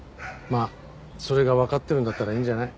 まあそれがわかってるんだったらいいんじゃない？